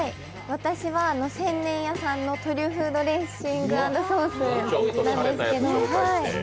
私は千年屋さんのトリュフのドレッシング＆ソースです。